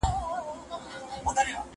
زه هره ورځ لوبه کوم!